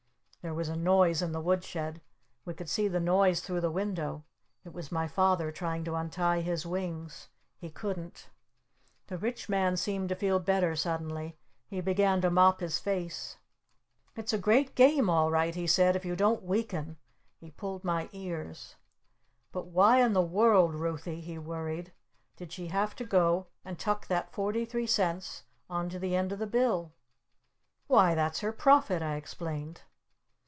There was a noise in the wood shed. We could see the noise through the window. It was my Father trying to untie his wings. He couldn't. The Rich Man seemed to feel better suddenly. He began to mop his face. "It's a great Game, all right," he said, "if you don't weaken!" He pulled my ears. "But why in the world, Ruthy " he worried, "did she have to go and tuck that forty three cents on to the end of the bill?" "Why, that's her profit!" I explained.